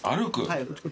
はい。